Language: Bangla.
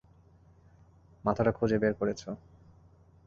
মাথাটা খুঁজে বের করেছো।